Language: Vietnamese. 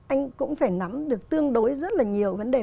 anh cũng phải nắm được tương đối rất là nhiều vấn đề